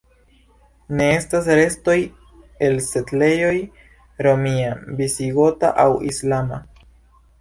Ne estas restoj el setlejoj romia, visigota aŭ islama.